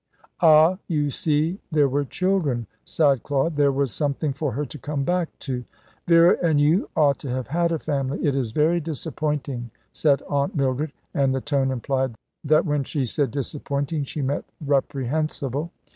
"Ah, you see there were children," sighed Claude. "There was something for her to come back to." "Vera and you ought to have had a family. It is very disappointing," said Aunt Mildred, and the tone implied that when she said "disappointing" she meant "reprehensible."